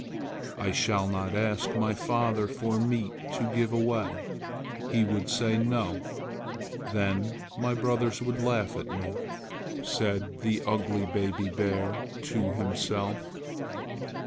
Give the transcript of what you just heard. "I shall not ask my father for meat to give away. He would say 'No!' Then my brothers would laugh at me," said the ugly baby bear to himself.